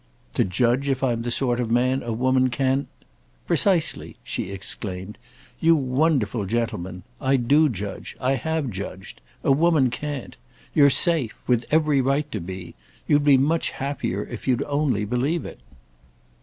"To judge if I'm the sort of man a woman can—?" "Precisely," she exclaimed—"you wonderful gentleman! I do judge—I have judged. A woman can't. You're safe—with every right to be. You'd be much happier if you'd only believe it."